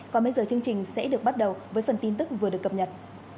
còn bây giờ chương trình sẽ được bắt đầu với phần tin tức vừa được cập nhật